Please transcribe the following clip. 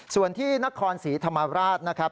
ส่วนที่นครศรีธรรมราชนะครับ